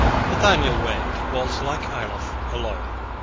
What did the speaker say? Nathaniel Wade was, like Ayloffe, a lawyer.